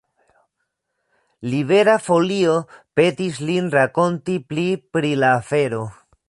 Libera Folio petis lin rakonti pli pri la afero.